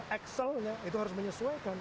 axelnya itu harus menyesuaikan